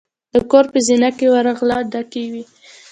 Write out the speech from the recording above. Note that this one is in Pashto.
د کور په زینه کې ورغله ډکې وې.